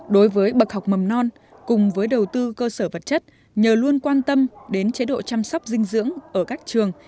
đối với bậc học mầm non cùng với đầu tư cơ sở vật chất nhờ luôn quan tâm đến chế độ chăm sóc dinh dưỡng ở các trường